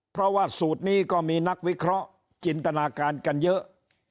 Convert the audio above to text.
เพราะว่าสูตรนี้ก็มีนักวิเคราะห์จินตนาการกันเยอะ